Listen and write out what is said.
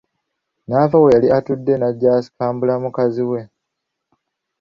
N’ava we yali atudde najja asikambule mukazi we.